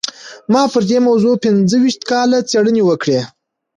ما پر دې موضوع پينځه ويشت کاله څېړنې وکړې.